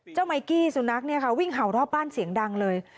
เจ้าไมค์กี้สุนัขวิ่งเห่ารอบบ้านเสียงดังเลย